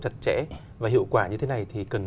chặt chẽ và hiệu quả như thế này thì cần